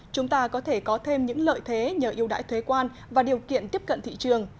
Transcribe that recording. chúng ta có thể có thêm những lợi thế nhờ yêu đại thuế quan và điều kiện tiếp cận thị trường